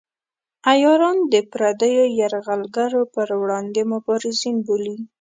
عیاران د پردیو یرغلګرو پر وړاندې مبارزین بولي.